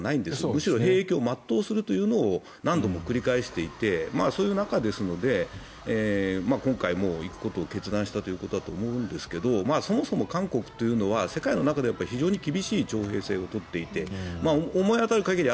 むしろ兵役を全うするというのを何度も繰り返していてそういう中ですので今回、行くことを決断したと思うんですがそもそも韓国というのは世界の中で非常に厳しい徴兵制を取っていて思い当たる限り